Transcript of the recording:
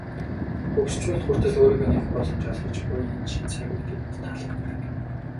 Хөгшчүүлд хүртэл өөрийгөө нээх боломж олгож буй энэ шинэ цаг үе тэдэнд таалагддаг.